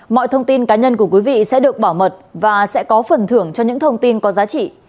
mọi thông tin cá nhân của quý vị sẽ được bảo mật và sẽ có phần thưởng cho những thông tin có giá trị